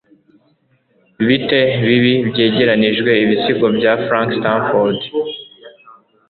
bite bibi byegeranijwe ibisigo bya frank stanford